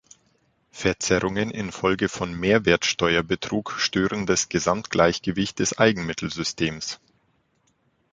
Verzerrungen infolge von Mehrwertsteuerbetrug stören das Gesamtgleichgewicht des Eigenmittelsystems.